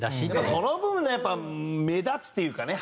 その分やっぱ目立つというかね